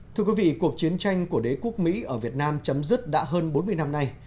thưa quý vị cuộc chiến tranh của đế quốc mỹ ở việt nam chấm dứt đã hơn bốn mươi năm nay